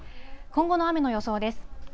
今後の雨の予想です。